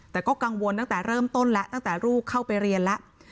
แต่ก็กังวลตั้งแต่เริ่มต้นแล้วตั้งแต่ลูกเข้าไปเรียนแล้ว